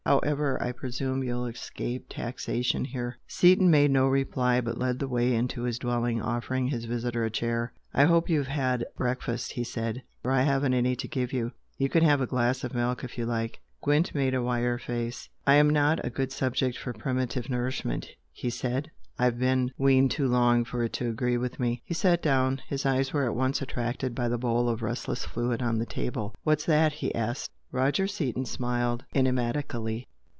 However, I presume you'll escape taxation here!" Seaton made no reply, but led the way into his dwelling, offering his visitor a chair. "I hope you've had breakfast" he said "For I haven't any to give you. You can have a glass of milk if you like?" Gwent made a wry face. "I'm not a good subject for primitive nourishment" he said "I've been weaned too long for it to agree with me!" He sat down. His eyes were at once attracted by the bowl of restless fluid on the table. "What's that?" he asked. Roger Seaton smiled enigmatically.